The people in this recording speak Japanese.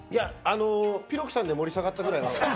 ぴろきさんで盛り下がったぐらいで。